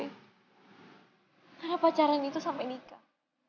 karena pacaran itu sampe nikah